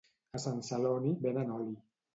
a Sant Celoni venen oli